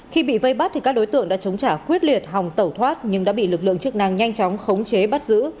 khi bị vây bắt các đối tượng đã chống trả quyết liệt hòng tẩu thoát nhưng đã bị lực lượng chức năng nhanh chóng khống chế bắt giữ